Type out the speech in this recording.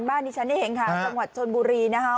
บ้านที่ฉันได้เห็นค่ะจังหวัดชนบุรีนะฮะ